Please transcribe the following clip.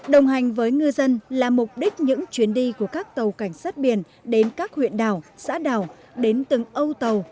đồng hành với ngư dân là mục đích những chuyến đi của các tàu cảnh sát biển đến các huyện đảo xã đảo đến từng âu tàu